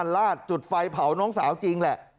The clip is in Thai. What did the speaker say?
แล้วก็เทน้ำมันราดจุดไฟเผาน้องสาวจริงแหละ